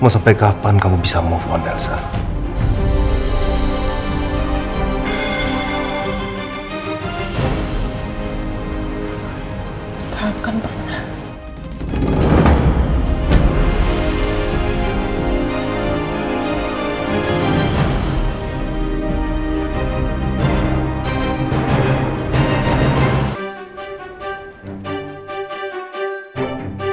sampai kapan kamu bisa bergerak dengan elsa